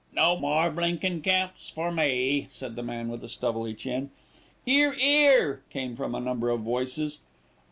"No more blinkin' camps for me," said the man with the stubbly chin. "'Ear, 'ear," came from a number of voices.